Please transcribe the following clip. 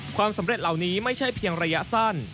ความสำเร็จเหล่านี้ไม่ใช่เพียงระยะสั้น